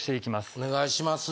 お願いします